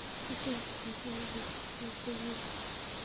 জ্বি, এই ধরনের নকশা বেশ দুর্লভ।